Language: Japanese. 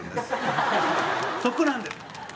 そこなんです。